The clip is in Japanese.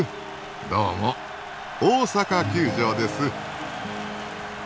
どうも大阪球場です。